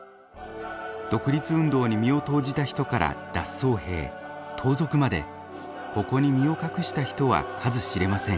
独立運動に身を投じた人から脱走兵盗賊までここに身を隠した人は数知れません。